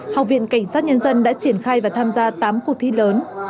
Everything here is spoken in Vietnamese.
học viện cảnh sát nhân dân đã triển khai và tham gia tám cuộc thi lớn